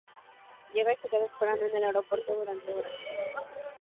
Llega y se queda esperando en el aeropuerto durante horas.